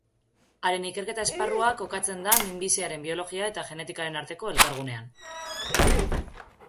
Haren ikerketa-esparrua kokatzen da Minbiziaren Biologia eta Genetikaren arteko elkargunean.